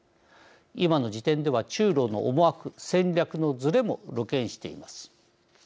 今の時点では中ロの思惑・戦略のずれも露見しています。